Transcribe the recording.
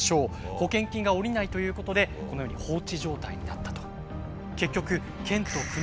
保険金が下りないということでこのように放置状態になったと。